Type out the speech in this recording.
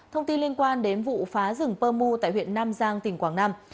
thông tin liên quan đến vụ phá rừng pơ mu tại huyện nam giang tỉnh quảng nam